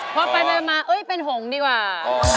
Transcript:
พอปร่อยมาเป็นหงก์ดีกว่า